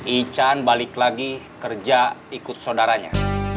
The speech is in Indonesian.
ican balik lagi kerja ikut saudaranya